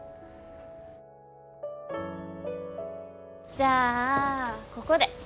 じゃあここで。